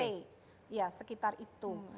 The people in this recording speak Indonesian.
iya sekitar itu